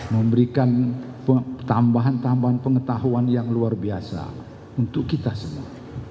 memberikan tambahan tambahan pengetahuan yang luar biasa untuk kita semua